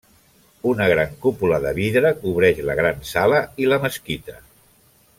Una gran cúpula de vidre cobreix la gran sala i la mesquita.